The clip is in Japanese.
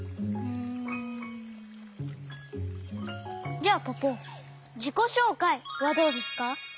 じゃあポポじこしょうかいはどうですか？